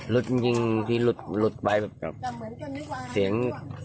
ลุดจริงที่ลุดไปแบบเสียง